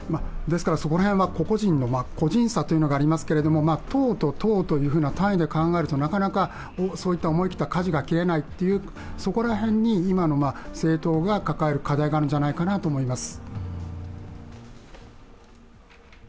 そこら辺は個々人の個人差がありますけれども、党と党という単位で考えるとそういった思い切ったかじが切れないっていうのが今の政党が抱える課題があるんじゃないかなと思います。